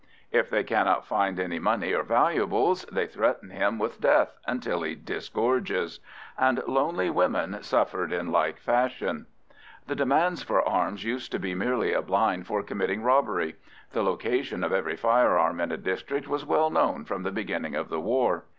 If they cannot find any money or valuables, they threaten him with death until he disgorges. And lonely women suffered in like fashion. The demand for arms used to be merely a blind for committing robbery. The location of every firearm in a district was well known from the beginning of the war.